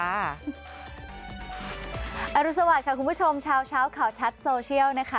รุสวัสดิ์ค่ะคุณผู้ชมเช้าข่าวชัดโซเชียลนะคะ